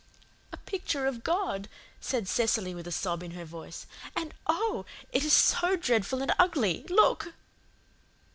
"A picture of God," said Cecily with a sob in her voice, "and oh, it is so dreadful and ugly. Look!"